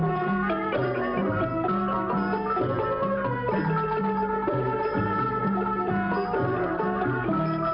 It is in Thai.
มันมันมันมัน